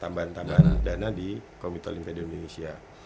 tambahan tambahan dana di komite olimpia di indonesia